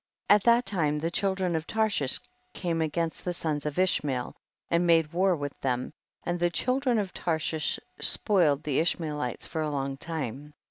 At that time the children of Tarshish came against the sons of Ishmael, and made war with them, and the children of Tarshish spoiled the Ishmaelites for a long time.